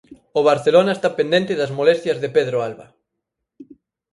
O Barcelona está pendente das molestias de Pedro Alba.